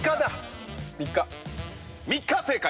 ３日正解！